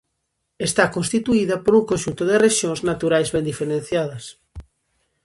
Está constituída por un conxunto de rexións naturais ben diferenciadas.